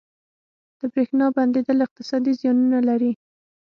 • د برېښنا بندیدل اقتصادي زیانونه لري.